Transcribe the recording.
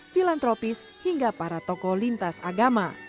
filantropis hingga para tokoh lintas agama